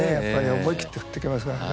思い切って振ってきますからね。